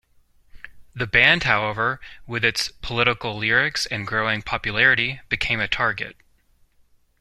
The band, however, with its political lyrics and growing popularity, became a target.